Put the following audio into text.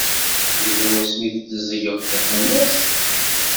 Yella wasmi i teẓẓgem tafunast?